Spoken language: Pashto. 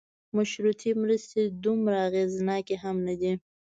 مشروطې مرستې دومره اغېزناکې هم نه دي.